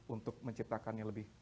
untuk menciptakannya lebih